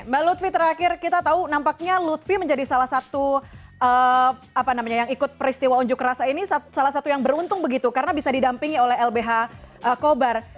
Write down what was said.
mbak lutfi terakhir kita tahu nampaknya lutfi menjadi salah satu apa namanya yang ikut peristiwa unjuk rasa ini salah satu yang beruntung begitu karena bisa didampingi oleh lbh kobar